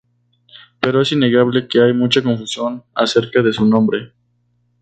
Pero es innegable que hay mucha confusión acerca de su nombre.